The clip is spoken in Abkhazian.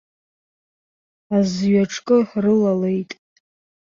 Азҩа ҿкы рылалеит.